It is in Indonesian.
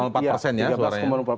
tiga belas empat persen ya suaranya